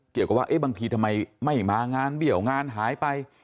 เกี่ยวกับว่าบางทีทำไมไม่มางานเบี้ยวงานหายไป